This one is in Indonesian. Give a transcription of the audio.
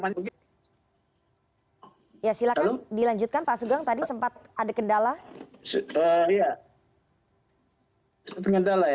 ya silakan dilanjutkan pak sugeng tadi sempat ada kendala